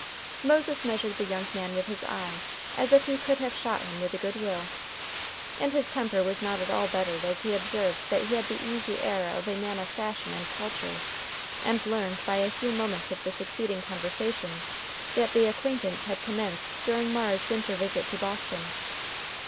Moses measured the young man with his eye as if he could have shot him with a good will. And his temper was not at all bettered as he observed that he had the easy air of a man of fashion and culture, and learned by a few moments of the succeeding conversation, that the acquaintance had commenced during Mara's winter visit to Boston.